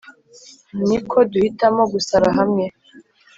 niko duhitamo gusara hamwe.